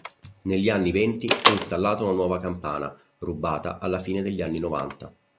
Negli anni Venti fu installata una nuova campana, rubata alla fine degli anni Novanta.